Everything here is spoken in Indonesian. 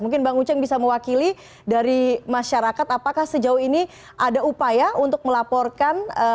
mungkin bang uceng bisa mewakili dari masyarakat apakah sejauh ini ada upaya untuk melaporkan